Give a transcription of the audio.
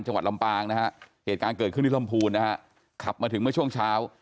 จังหวัดลำปางนะฮะเหตุการณ์เกิดขึ้นที่ลำพูนนะฮะขับมาถึงเมื่อช่วงเช้า